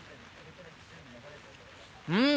うん！